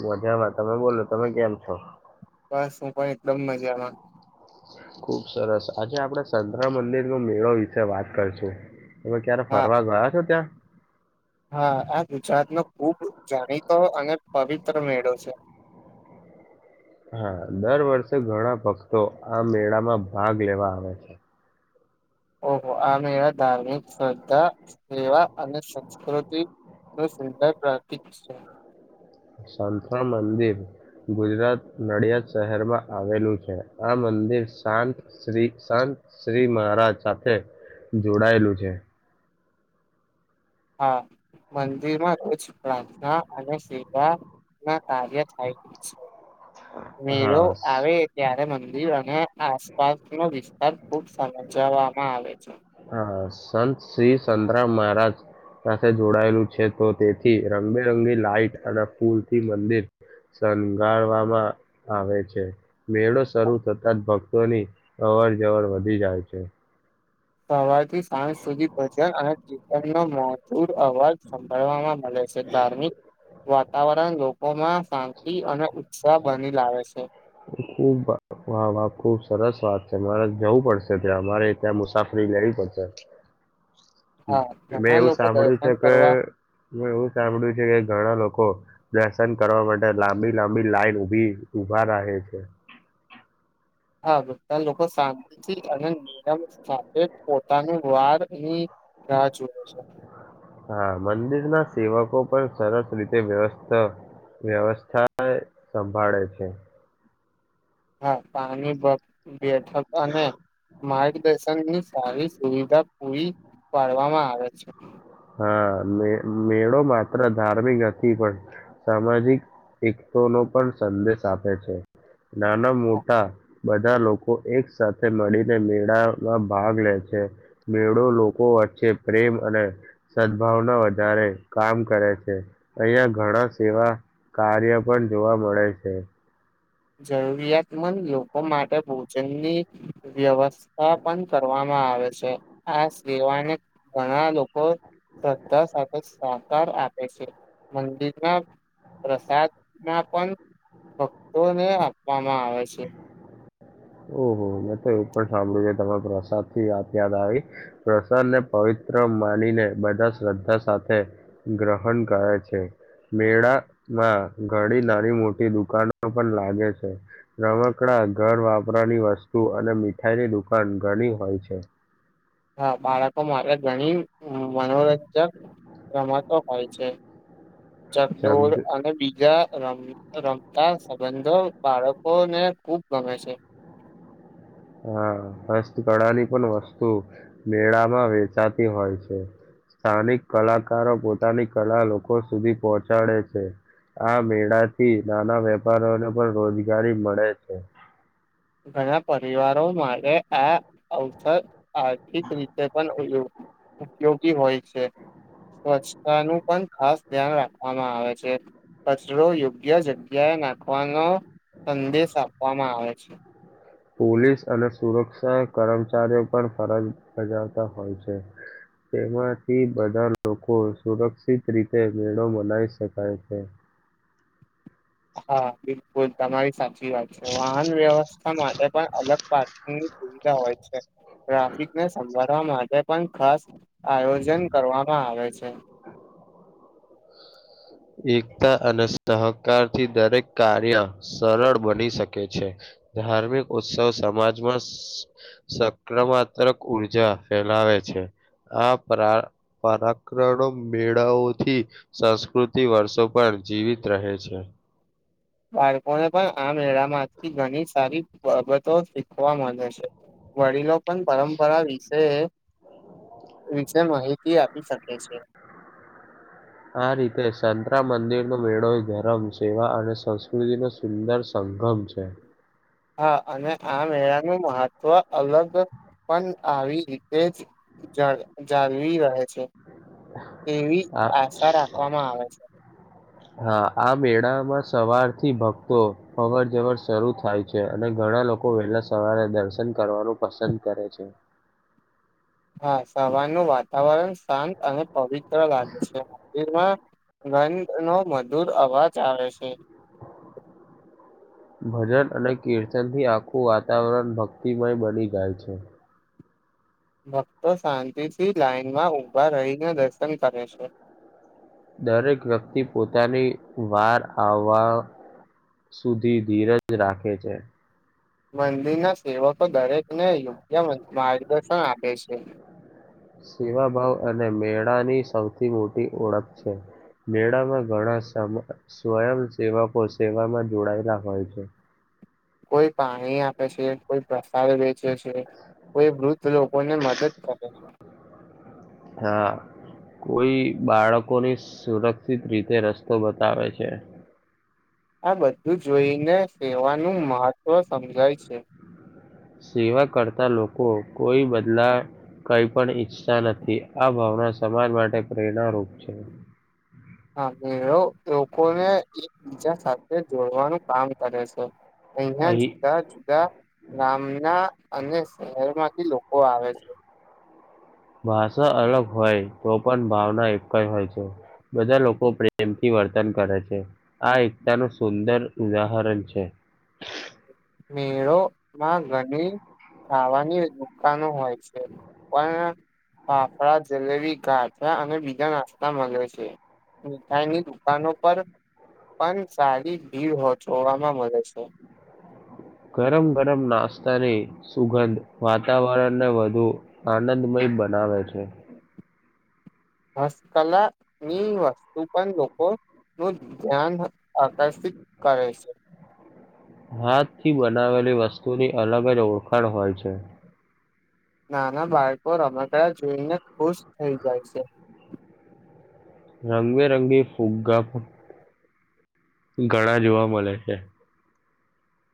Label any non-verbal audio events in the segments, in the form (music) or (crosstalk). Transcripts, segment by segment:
મજામાં તમે બોલો તમે કેમ છો? બસ હું પણ એકદમ મજામાં. ખુબ સરસ આજે આપડે સંતરા મંદિરનો મેળો વિશે વાત કરશું. તમે ક્યારે હા ફરવા ગયા છો ત્યાં? હા આ ગુજરાત નો ખુબ જાણીતો અને પવિત્ર મેળો છે. (inaudible) હા દર વર્ષે ઘણા ભક્તો આ મેળામાં ભાગ લેવા આવે છે. ઓહો આ મેળા ધાર્મિક શ્રદ્ધા સેવા અને સંસ્કૃતિ નું સુંદર પ્રતીક છે. સંતરામ મંદિર ગુજરાત નડિયાદ શહેરમાં આવેલું છે. આ મંદિર મંદિર શાંત શ્રી શાંત શ્રી મહારાજ સાથે જોડાયેલું છે. હા. મંદિરમાં રોજ પ્રાર્થના અને સેવા ના કાર્ય થાય છે. મેળો હા આવે ત્યારે મંદી મંદિર અને આસપાસ નો વિસ્તાર ખુબ શણગાવામાં આવે છે. હા સંત શ્રી સતરામ મહારાજ સાથે જોડાયેલું છે તો તેથી રંગબેરંગી લાઈટ અને ફૂલથી મંદિર શણગારવામાં આવે છે મેળો શરૂ થતા જ ભક્તોની અવર જવર વધી જાય છે. સવાર થી સાંજ સુધી ભજન અને કીતનનો મધુર અવાજ સંભળવામાં ચાલે છે. ધાર્મિક વાતાવરણ લોકોમાં શાંતિ અને ઉત્ ખુબ વાહ વાહ ખુબ સરસ વાત. મારે જવું પડશે ત્યાં અમારે ત્યાં મુસાફરી લેવી પડશે. હા મેં ઘણા એવું લોકો સાંભળ્યું દર્શન છે કે કરવા હું એવું સાંભળ્યું છે કે ઘણા લોકો દર્શન કરવા માટે લાંબી લાંબી લાઈન ઉભી ઉભા રહે છે. હા બધા લોકો શાંતિથી અને નિરમ સાથે પોતાની વાર ની રાહ જોવે છે. હા મંદિર ના સેવકો પણ સરસ રીતે વ્યવસ્થ વ્યવસ્થા સંભાળે છે. હા પાણી પણ બેઠક અને માર્ગદર્શનની સારી સુવિધા પૂરી પાડવામાં આવે છે. હા મે મેળો માત્ર ધાર્મિક નથી પણ સામાજિક એકતા નો પણ સંદેશ આપે છે. નાના મોટા બધા લોકો એક સાથે મળીને મેળામાં ભાગ લે છે. મેળો લોકો વચ્ચે પ્રેમ અને સદભાવના વધારે કામ કરે છે. અહીંયા ઘણા સેવા કાર્ય પર જોવા મળે છે. જરૂરિયાતમંદ લોકો માટે ભોજનની વ્યવસ્થા પણ કરવામાં આવે છે આ સેવાને ઘણા લોકો શ્રદ્ધા સાથે સહકાર આપે છે મંદિરના પ્રસાદ ના પણ ભકતોને આપવામાં આવે છે. ઓહ હો મેં તો એવું પણ સાંભળ્યું છે કે તમ પ્રસાદ થી વાત યાદ આવી પ્રસાદ ને પવિત્ર ત માનીને બધા શ્રદ્ધા સાથે ગ્રહણ કરે છે. મેળામાં ઘડી નાની મોટી દુકાનો પણ લાગે છે રમકડા ઘર વાપરાની વસ્તુ અને મીઠાઈની દુકાન ઘણી હોય છે. હા બાળકો માટે ઘણી મનોરંજક રમતો હોય છે ચક્ક્દોર શબ્દ અને બીજા રમ રમતા સંબંધો બાળકોને ખૂબ ગમે છે. (inaudible) હા હસ્તકળાની પણ વસ્તુ મેળામાં વેચાતી હોય છે. સ્થાનિક કલાકારો પોતાની કલા લોકો સુધી પહોંચાડે છે. આ મેળાથી નાના વેપારીઓને પણ રોજગારી મળે છે. ઘણા પરિવારો માટે આ અવસર આર્થિક રીતે પણ ઉ ઉપયોગી હોય છે. સ્વચ્છતા નું પણ ખાસ ધ્યાન રાખવામાં આવે છે. કચરો યોગ્ય જગ્યાએ નાખવાનો સંદેશ આપવામાં આવે છે. પોલીસ અને સુરક્ષા કર્મચારીઓ પણ ફરજ બજાવતા હોય છે. તેમાંથી બધા લોકો સુરક્ષિત રીતે મેળો મનાવી શકાય છે. (inaudible) હા બિલકુલ તમારી સાચ ચી વાત છે વાહન વ્યવસ્થા માટે પણ અલગ પાર્કિંગની સુવિધા હોય છે. ટ્રાફિક ને સંભાળ વા માટે પણ ખાસ આયોજન કરવામાં આવે છે. (inaudible) એકતા અને સહકાર થી દરેક કાર્ય સરળ બની શકે છે. ધાર્મિક ઉત્સવ સમાજમાં સક્રમાત્તક ઉર્જા ફેલાવે વે છે આ પરા પરાક્રડો મેળાઓથી સંસ્કૃત થી વર્ષો પણ જીવિત રહે છે. બાળકોને પણ આ મેળામાંથી ઘણી સારી બાબતો શીખવા મળે છે. વડીલો પણ પરંપરા વિસે એ વિશે માહિતી આપી શકે છે. આ રીતે સંતરામ મંદિર નો મેળો ધરમ, સેવા અને સંસ્કૃતિ નો સુંદર સ સંગમ છે. હા અને આ મેળાનું મહત્વ અલગ પણ આવી રીતે જ જાડ જાળવી રહે છે. એવી આ આશા રાખવામાં આવે છે.. હા આ મેળામાં સવારથી ભક્તો અવર જવર શરૂ થાય છે અને ઘણા ઘણા લોકો વહેલા સવારે દર્શન કરવાનું પસંદ કરે છે. (inaudible) હા સવારનું વાતાવરણ શાંત અને પવિત્ર લાગે છે મંદિરમાં ઘંટનો મધુર અવાજ આવે છે. ભજન અને કીર્તનથી આખું વાતાવરણ ભક્તિમય બની જાય છે. ભક્તો શાંતિથી લાાઈનમાં ઊભા રહીને દર્શન કરે છે. દરેક વ્યક્તિ પોતાની વાર આવવા સુધી ધીરજ રાખે છે. મંદિરના સેવકો દરેકને યોગ્ય મ માર્ગદર્શન આપે છે. સેવાભાવ અને મેળાની સૌથી મોટી ઓળખ છે મે ળામાં ઘણા સમ સ્વયંસેવકો સેવામાં જોડાયેલા હોય છે. કોઈ પાણી આપે છે, કોઈ પ્રસાદ વે ચે છે, કોઈ વૃદ્ધ લોકોને મદદ કરે છે. હા કોઈ બાળકોની સુરક્ષિત રીતે રસ્તો બતાવે છે. આ બધું જોઈને સેવાનું મહત્ત્વ સમજાય છે. સેવા કરતા લોકો કોઈ બદલા. કઈ પણ ઈચ્છતા નથી આ ભાવના સમાજ માટે પ્રેરણા રૂપ છે. હા મેળો લોકોને એકબીજા સાથે જોડવાનું કામ કરે છે. અહિયાં અહીં જુદા જુદા ગામના. અને શહેર માંથી લોકો આવે છે. ભાષા અલગ હોય તો પણ ભાવના એક જ હોય છે. બધા લોકો પ્રેમથી વર્તન કરે છે, આ એકતાનું સુંદર ઉદાહરણ છે. (inaudible) મેળો માં ઘણી ખાવાની દુકાનો હોય છે. પણ ફાફડા, જલેબી, ગાંઠ્યા અને બીજા નાસ્તા મલે છે. મીઠાઈની દુકાનો પર પણ સારી ભીડ હોતી જોવામાં મળે છે. ગરમ-ગરમ નાસ્તાની સુગંધ વાતાવરણને વધુ આનંદ. મય બનાવે છે. હસ્તકલા ની વસ્તુ પણ લોકો નું ધ્યાન. આકર્ષિત કરે છે. હાથ થી બનાવેલી વસ્તુની અલગ જ ઓળખાણ હોય છે. નાના બાળકો રમકડા જોઈને ખુશ થઈ જાય છે. રંગબેરંગી ફુગ્ગા પ ઘણા જોવા મળે છે.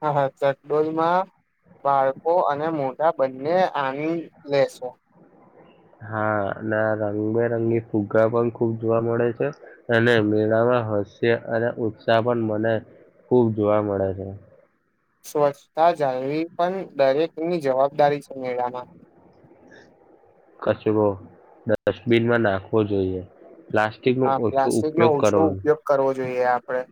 હા હા ચકડોળમા. બાળકો અને મોટા બંને આનંદ લેશે. હા અને રંગબેરંગી ફુગા પણ ખુબ જોવા મળે છે અને મેળામાં. હાસ્ય અને ઉત્સાહ પણ મને ખૂબ જોવા મળે છે. સ્વચ્છતા જાળવી પણ દરેકની જવાબદારી છે મેળામાં. કચરો ડસ્ટબિનમાં નાખવો જોઈએ. પ્લાસ્ટિકનો હા ઓછો પ્લાસ્ટિક નો ઉપયોગ ઓછો કરવો ઉપયોગ કરવો જોઈએ આપડે.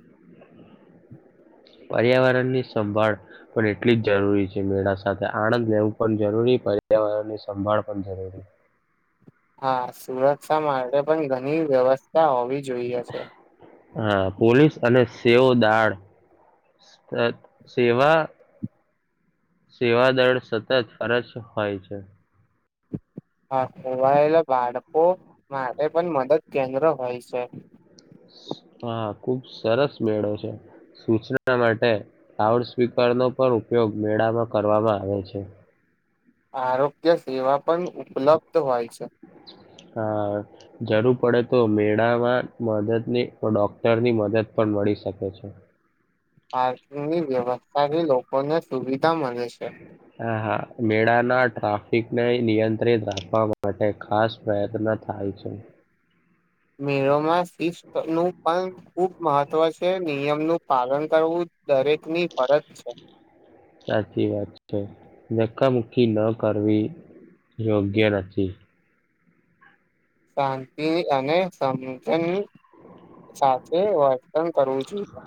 પર્યાવરણની સંભાળ પણ એટલી જ જરૂરી છે મેળા સાથે આનંદ લેવું પણ જરૂરી. હોય પર્યાવરણ ની સંભાળ પણ જરૂરી. (inaudible) હા સુરક્ષા માટે પણ ઘણી વ્યવસ્થા હોવી જોઈએ છે. હા પોલીસ અને સેવ દાળ અ સેવા. સેવાદળ સતત ફરજ હોય છે. હા ખોવાયેલા બાળકો માટે પણ મદદ કેન્દ્ર હોય છે. હા ખુબ સરસ મેળો છે. સૂચના માટે લાઉડ સ્પીકરનો પણ ઉપયોગ મેળામાં કરવામાં આવે છે. આરોગ્ય સેવા પણ ઉપલબ્ધ. હોય છે. હા જર પડે તો મેળામાં મદદની ડોક્ટરની મદદ પણ મળી શકે છે. પાર્કિંગની વ્યવસ્થાથી લોકોને સુવિધા મળે છે. હા હા મેળાના ટ્રાફિકને નિયંત્રિત રાખવા માટે ખાસ પ્રયત્ન થાય છે. મેળોમાં શિસ્ત નું પણ ખુબ મહત્વ છે નિયમ નું પાલન. કરવું દરેકની ફરજ છે. સાચી વાત છે. નકામુખકી ન કરવી યોગ્ય નથી. શાંતિ અને સમથન. સાથે વર્તન કરવું જોઈએ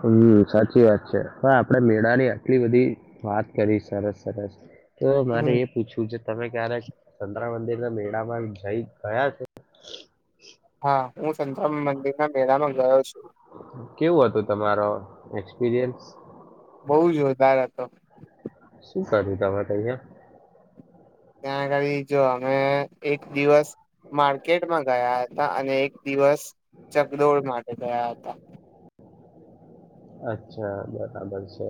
હમ સાચી વાત છે હ આપડે મેળાની આટલી બધી વાત કરી સરસ સરસ તો મારે હમ એ પૂછવું છે તમે ક્યારેક ચંદ્ર મંદિરના મેળામાં જઈ ગયા છે હા હું સંતરામ મંદિર ના મેળામાં ગયો છું કેવું હતું તમારો એક્સપિરિયન્સ બઉુ જો વધધાર હતો શું કર્યું તમા અહયા ત્યાંગ જો અમે એક દિવસ માર્કેટમાં ગયા હતા અને એક દિવસ ચગદોડ માટે ગયા હતા અચ્છા બરાબર છે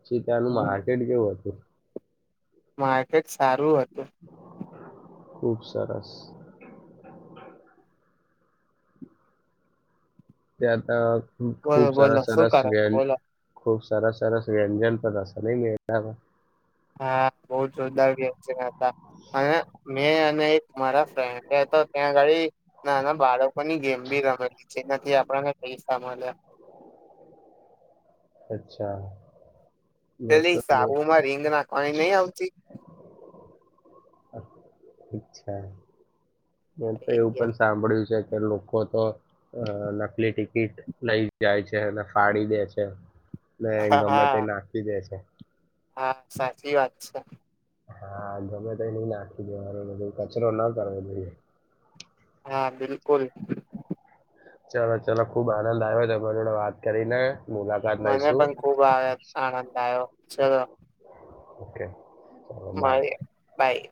પછી ત્યાનું માર્કેટ કેવું હતું માર્કેટ સારું હતું ખુબ સરસ તે આતા બોલો ખુબ સાર બોલો શું સરસ કરો વ્ય છો બોલો ખૂબ સાર સરસ વ્યંજન પણ ન મે હા બહદાર છે હતા અને મે એક મારા ફ્રેન્ડ તો ત્યાં ગાળ નાના બાળકોની ગેમ બી રમેલી છે એ આપ ક સામાલ અચ્છા. મેં પેલી તો સાબુ માં રીંગ ના કઈ નહ આવતી. અચ્છા મે તો એ એવું ગેમ પણ સાંભળ્યું છે. લોકો તો અ નકલી ટિકિટ લઈ જાય છે અને ફાડી દે છે. ના હા ગમે તે એ હા નાખી દે છે. હા સાચી વાત છે. હા ગમે તો એ નઈ નાખી દે મારો બધું કચરો ના કરવો જોઈએ. હા બિલકુલ. ચલો ચલોો ખુબ આનંદ આવે્યો તમારી જોડે વાત કરીને. મુલાકાત મને લઈશું પણ ખુબ આનંદ આવ્યો ચલો. ઓકે. ચલો બાય મળ બાય.